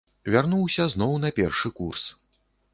Вярнуўся зноў на першы курс.